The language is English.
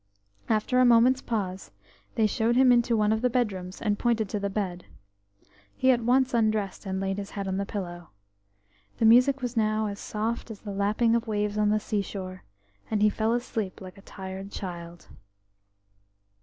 After a moment's pause, they showed him into one of the bedrooms and pointed to the bed. He at once undressed, and laid his head on the pillow. The music was now as soft as the lapping of waves on the seashore, and he fell asleep like a tired child.